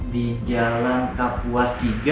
di jalan kapuas tiga